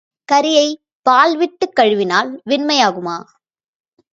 கரியைப் பால்விட்டுக் கழுவினால் வெண்மையாகுமா?